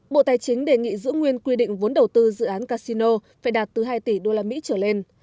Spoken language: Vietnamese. bộ tài chính đề nghị giữ nguyên quy định vốn đầu tư dự án casino phải đạt từ hai tỷ usd trở lên